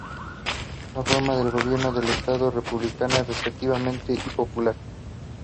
He was survived by his wife Victoria.